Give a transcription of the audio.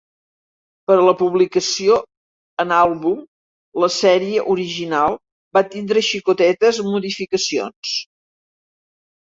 Per a la publicació en àlbum la sèrie original va tindre xicotetes modificacions.